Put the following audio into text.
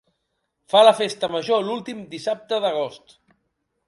Fa la festa major l'últim dissabte d'agost.